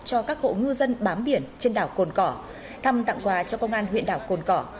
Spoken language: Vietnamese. cho các hộ ngư dân bám biển trên đảo cồn cỏ thăm tặng quà cho công an huyện đảo cồn cỏ